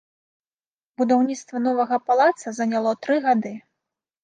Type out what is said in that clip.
Будаўніцтва новага палаца заняло тры гады.